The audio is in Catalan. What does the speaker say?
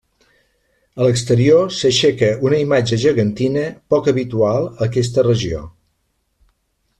A l'exterior s'aixeca una imatge gegantina, poc habitual a aquesta regió.